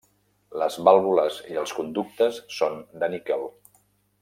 Les vàlvules i els conductes són de níquel.